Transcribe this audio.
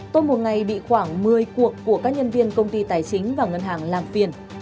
tôi một ngày bị khoảng một mươi cuộc của các nhân viên công ty tài chính và ngân hàng làm phiền